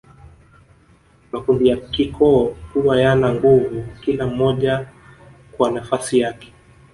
Makundi ya kikoo kuwa yana nguvu kila mmoja kwa nafasi yake